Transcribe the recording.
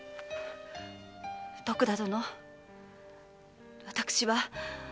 徳田殿私は。